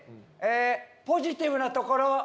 ポジティブなところ。